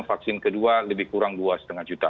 vaksin kedua lebih kurang dua lima juta